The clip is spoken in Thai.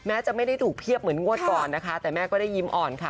จะไม่ได้ถูกเพียบเหมือนงวดก่อนนะคะแต่แม่ก็ได้ยิ้มอ่อนค่ะ